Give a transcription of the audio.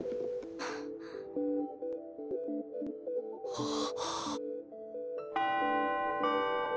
ああ！